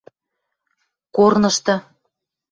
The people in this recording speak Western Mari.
Корнышты